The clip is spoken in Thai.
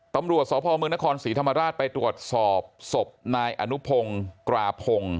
ตำรวจสพเมืองนครศรีธรรมราชไปตรวจสอบศพนายอนุพงศ์กราพงศ์